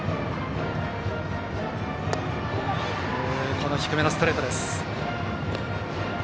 この低めのストレートです。